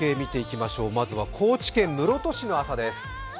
まずは高知県室戸市の朝です。